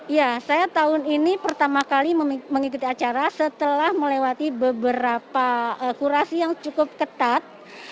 ya saya tahun ini pertama kali mengikuti acara setelah melewati beberapa kurasi yang cukup ketat